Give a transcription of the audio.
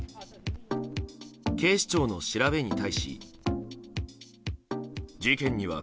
警視庁の調べに対し。